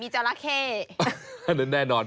จราเข้อันนั้นแน่นอน